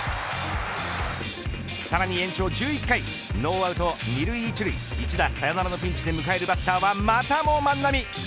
さらに延長１１回ノーアウト２塁１塁一打サヨナラのピンチで迎えるバッターはまたも万波。